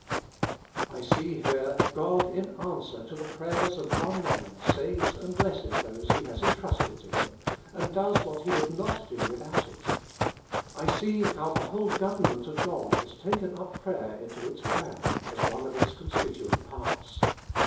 I see here God in answer to the prayers of one . man saves and blesses those He has entrusted to ^ him, and does what He would not do without it. I see how the whole government of God has taken up prayer into its plan as one of its constituent parts.